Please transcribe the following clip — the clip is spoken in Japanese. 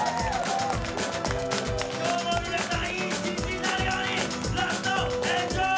今日も皆さん、いい一日になるように、ラスト、エンジョイ！